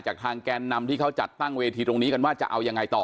ทางแกนนำที่เขาจัดตั้งเวทีตรงนี้กันว่าจะเอายังไงต่อ